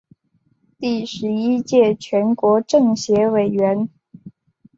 第十一届全国政协委员。